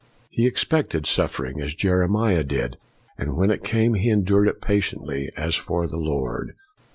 He expected suffering, as Jeremiah did; and when it came, he endured it patiently as for the Lord.